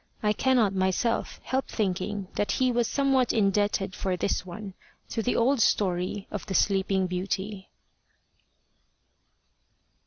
I cannot myself help thinking that he was somewhat indebted for this one to the old story of The Sleeping Beauty.